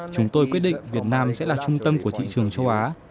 chúng tôi quyết định việt nam sẽ là trung tâm của thị trường châu á